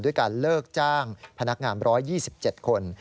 ด้วยการเลิกจ้างพนักงาน๑๒๗คน